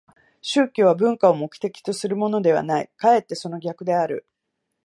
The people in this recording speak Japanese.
宗教は文化を目的とするものではない、かえってその逆である。